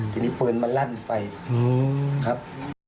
ทีนี้ปืนมันลั่นไปครับ